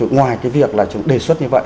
ngoài cái việc là chúng đề xuất như vậy